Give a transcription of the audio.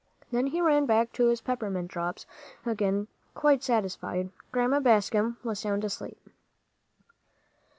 Then he ran back to his peppermint drops again, quite satisfied. Grandma Bascom was sound asleep.